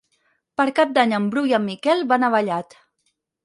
Per Cap d'Any en Bru i en Miquel van a Vallat.